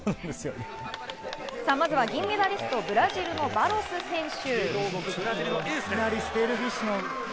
まずは銀メダリスト、ブラジルのバロス選手。